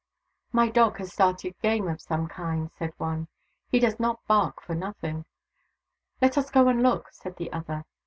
" My dog has started game of some kind," said one. " He does not bark for nothing." " Let us go and look," said the other.